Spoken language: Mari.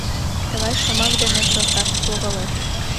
Тыгай шомак дене келшашак логалеш.